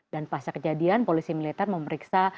dan pas kejadian polisi militer memeriksa